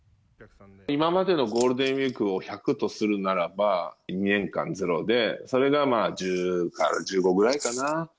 今までのゴールデンウィークを１００とするならば２年間、０でそれが１０から１５ぐらいかな。